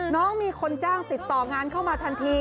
น้องมีคนจ้างติดต่องานเข้ามาทันที